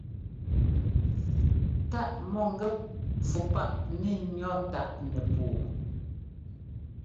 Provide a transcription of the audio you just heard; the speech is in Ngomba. Táʼ mɔ̂ngɛ́p fû páʼ nɛ́ ŋʉ̈ táʼ nɛpuu.